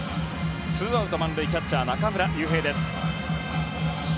ツーアウト満塁でキャッチャー、中村悠平です。